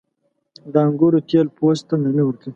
• د انګورو تېل پوست ته نرمي ورکوي.